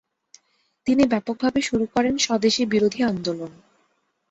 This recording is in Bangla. তিনি ব্যাপকভাবে শুরু করেন স্বদেশী বিরোধী আন্দোলন।